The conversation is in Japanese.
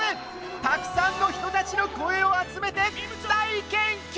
たくさんの人たちの声を集めて大研究！